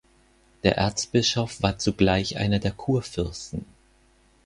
Der Erzbischof war zugleich einer der Kurfürsten.